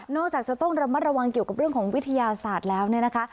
จากจะต้องระมัดระวังเกี่ยวกับเรื่องของวิทยาศาสตร์แล้วเนี่ยนะคะ